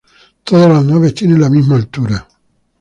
Todas las naves tienen la misma altura.